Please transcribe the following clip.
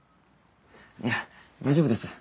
いや大丈夫です。